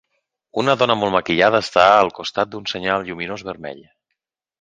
Una dona molt maquillada està al costat d'un senyal lluminós vermell